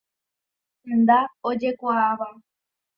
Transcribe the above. Tenda ojekuaáva.